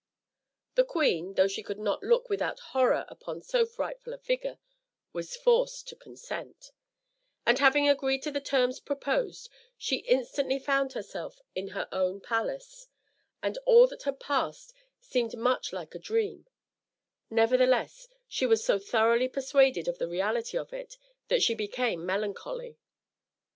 The queen, though she could not look without horror upon so frightful a figure, was forced to consent; and having agreed to the terms proposed, she instantly found herself in her own palace, and all that had passed seemed much like a dream: nevertheless, she was so thoroughly persuaded of the reality of it, that she became melancholy.